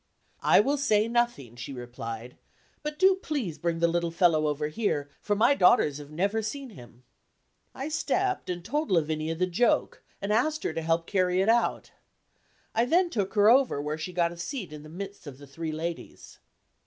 "I will say nothing," she replied, "but do please bring the little fellow over here, for my daughters have never seen him." I stepped and told Lavinia the joke and asked her to help carry it out. I then took her over where she got a seat in the midst of the three ladies.